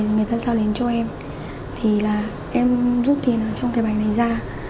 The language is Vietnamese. người ta giao đến cho em thì em rút tiền ở trong cái bánh này ra